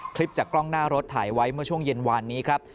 คลิปจากกล้องหน้ารถถ่ายไว้เมื่อช่วงเย็นวานนี้ครับ